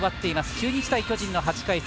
中日対巨人の８回戦。